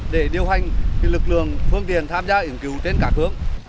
để điều hành lực lượng phương tiện tham gia ứng cứu trên các hướng